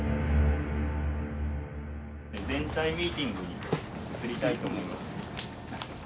全体ミーティングに移りたいと思います。